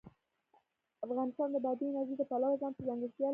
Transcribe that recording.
افغانستان د بادي انرژي د پلوه ځانته ځانګړتیا لري.